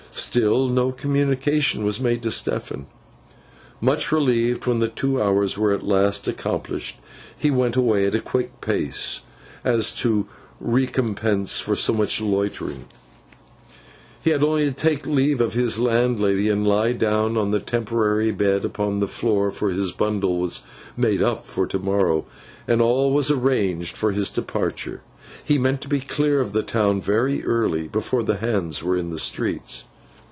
Still, no communication was made to Stephen. Much relieved when the two hours were at last accomplished, he went away at a quick pace, as a recompense for so much loitering. He had only to take leave of his landlady, and lie down on his temporary bed upon the floor; for his bundle was made up for to morrow, and all was arranged for his departure. He meant to be clear of the town very early; before the Hands were in the streets.